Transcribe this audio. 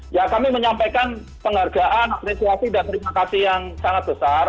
ya kami menyampaikan penghargaan apresiasi dan terima kasih yang sangat besar